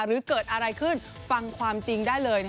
หรือเกิดอะไรขึ้นฟังความจริงได้เลย